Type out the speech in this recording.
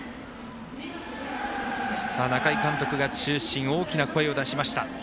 中井監督が中心で大きな声を出しました。